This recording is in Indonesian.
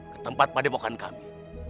ketempat pada pokokan kami